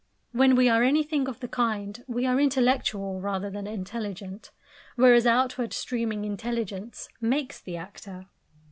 When we are anything of the kind, we are intellectual rather than intelligent; whereas outward streaming intelligence makes the actor.